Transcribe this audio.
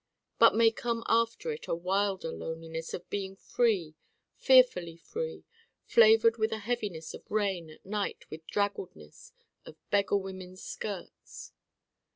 But may come after it a wilder Loneliness of being free, fearfully free: flavored with the heaviness of rain at night and draggledness of beggar women's skirts.